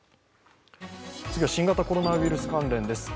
次は新型コロナウイルス関連です。